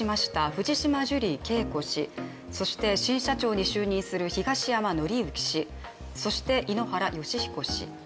藤島ジュリー景子氏そして新社長に就任する東山紀之氏、そして井ノ原快彦氏。